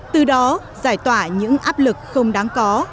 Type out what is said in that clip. từ đó giải tỏa những áp lực không đáng có